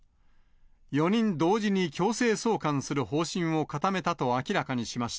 ４人同時に強制送還する方針を固めたと明らかにしました。